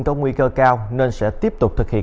có nguy cơ cao nên sẽ tiếp tục thực hiện